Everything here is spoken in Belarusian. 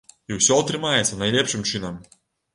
І ўсё атрымаецца найлепшым чынам!